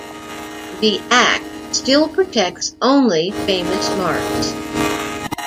The Act still protects only famous marks.